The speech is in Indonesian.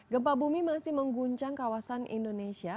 gempa bumi masih mengguncang kawasan indonesia